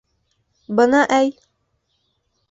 Бына әй!